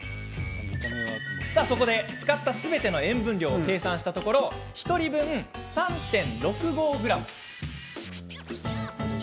使ったすべての塩分量を計算したところ１人分、３．６５ｇ。